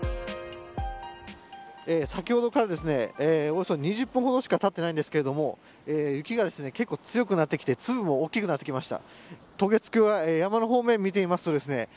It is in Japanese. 先ほどから、およそ２０分ほどしかたっていないんですけれども雪が結構、強くなってきて粒も大きくなってきました。